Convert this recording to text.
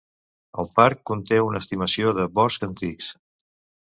El parc conté una estimació de boscs antics.